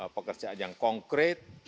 pekerjaan yang konkret